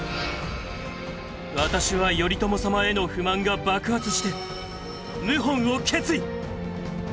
私は頼朝様への不満が爆発して謀反を決意！